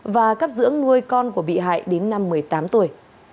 và cấp dưỡng nuôi con của bị hại đến năm một mươi tám tuổi